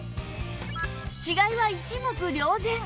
違いは一目瞭然